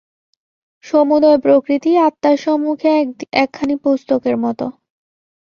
সমুদয় প্রকৃতিই আত্মার সম্মুখে একখানি পুস্তকের মত।